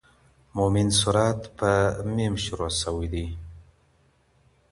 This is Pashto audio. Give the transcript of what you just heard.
مؤمن سورت په {حم} شروع سوی دی.